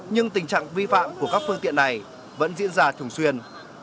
nhưng tình trạng vi phạm của các phương tiện này vẫn diễn ra thường xuyên